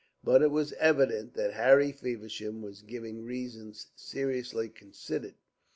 But it was evident that Harry Feversham was giving reasons seriously considered.